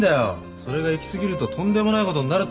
それがいき過ぎるととんでもないことになるってこと。